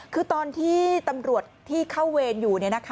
คือตอนที่ตำรวจที่เข้าเวรอยู่